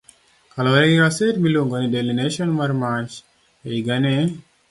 Kaluwore gi gaset miluongo ni Daily Nation mar Mach , e higani.